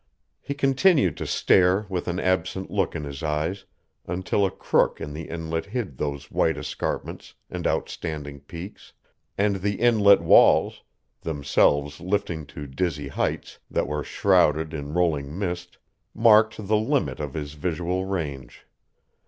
He continued to stare with an absent look in his eyes until a crook in the Inlet hid those white escarpments and outstanding peaks, and the Inlet walls themselves lifting to dizzy heights that were shrouded in rolling mist marked the limit of his visual range.